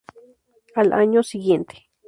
Al año siguiente.